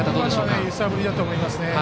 今のは揺さぶりだと思いますね。